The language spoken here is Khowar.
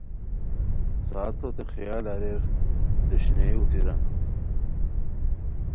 ساعتو تین خیال اریر دوشنبے اوتیران